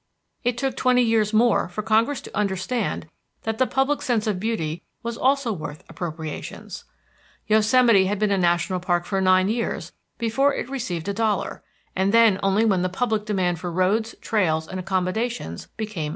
It took twenty years more for Congress to understand that the public sense of beauty was also worth appropriations. Yosemite had been a national park for nine years before it received a dollar, and then only when public demand for roads, trails, and accommodations became insistent.